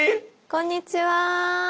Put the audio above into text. こんにちは。